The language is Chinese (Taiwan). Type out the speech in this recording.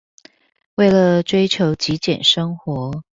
為了追求極簡生活